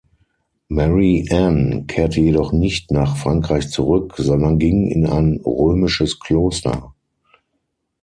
Marie-Anne kehrte jedoch nicht nach Frankreich zurück, sondern ging in ein römisches Kloster.